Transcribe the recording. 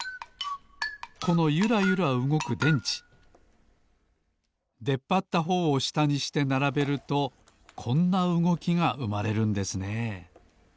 このゆらゆらうごく電池でっぱったほうをしたにしてならべるとこんなうごきがうまれるんですね